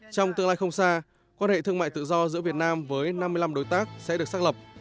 trong tương lai không xa quan hệ thương mại tự do giữa việt nam với năm mươi năm đối tác sẽ được xác lập